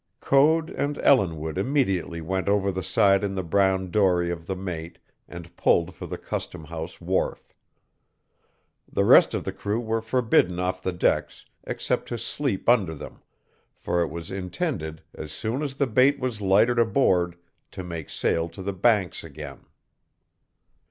Code and Ellinwood immediately went over the side in the brown dory of the mate and pulled for the customhouse wharf. The rest of the crew were forbidden off the decks except to sleep under them, for it was intended, as soon as the bait was lightered aboard, to make sail to the Banks again.